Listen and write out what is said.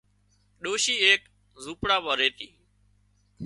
ڏوشي ايڪ زونپڙا مان ريتي